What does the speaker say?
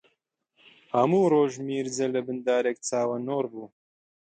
هەموو ڕۆژ میرجە لەبن دارێک چاوەنۆڕ بوو